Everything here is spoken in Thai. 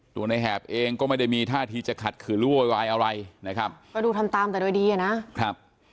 ตัวในแหบเองก็ไม่ได้มีท่าทีจะขัดขืนหรือโวยวายอะไรนะครับก็ดูทำตามแต่โดยดีอ่ะนะครับ